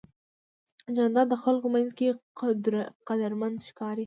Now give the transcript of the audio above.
جانداد د خلکو منځ کې قدرمن ښکاري.